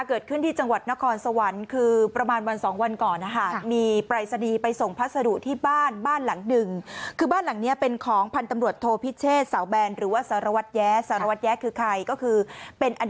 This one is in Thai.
เกิดขึ้นที่จังหวัดนครสวรรค์คือประมาณ๒วันก่อน